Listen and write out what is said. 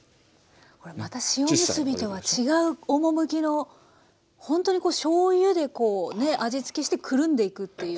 これまた塩むすびとは違う趣のほんとにこうしょうゆで味つけしてくるんでいくっていう。